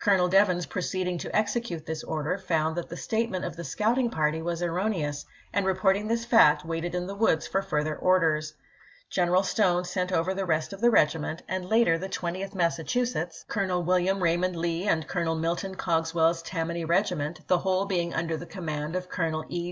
Colonel Devens proceeding to execute this order found that the statement of the scouting party was erroneous, and reporting this fact waited in the woods for further orders. General Stone sent over the rest of the regiment, and later the Twentieth Massachusetts, 456 ABRAHAM LINCOLN ch. XXV. Colonel "William Raymond Lee, and Colonel Milton Cogswell's Tammany Regiment, the whole being under the command of Colonel E.